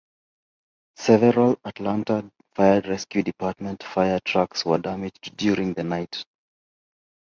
Several Atlanta Fire Rescue Department fire trucks were damaged during the night.